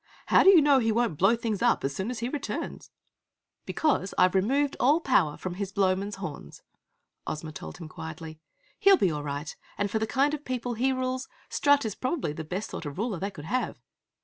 "How do you know he won't blow things up as soon as he returns?" "Because I've removed all power from his Blowmen's horns," Ozma told him quietly. "He'll be all right, and for the kind of people he rules Strut probably is the best sort of ruler they could have."